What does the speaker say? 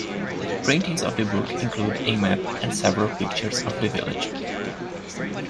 Printings of the book include a map and several pictures of the village.